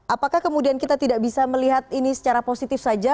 apakah kemudian kita tidak bisa melihat ini secara positif saja